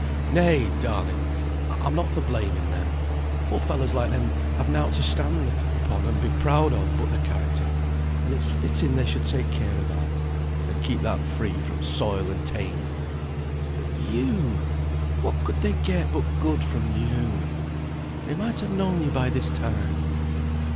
"Nay, darling! I'm not for blaming them. Poor fellows like them have nought to stand upon and be proud of but their character, and it's fitting they should take care of that, and keep that free from soil and taint." "But you, what could they get but good from you? They might have known you by this time."